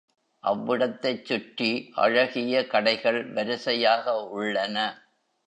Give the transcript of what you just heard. அவ்விடத்தைச் சுற்றி அழகிய கடைகள் வரிசையாக உள்ளன.